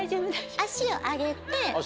足を上げて。